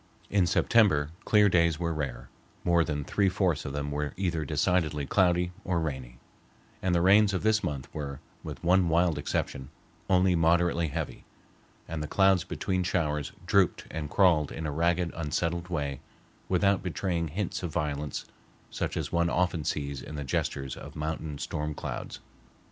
In September clear days were rare, more than three fourths of them were either decidedly cloudy or rainy, and the rains of this month were, with one wild exception, only moderately heavy, and the clouds between showers drooped and crawled in a ragged, unsettled way without betraying hints of violence such as one often sees in the gestures of mountain storm clouds.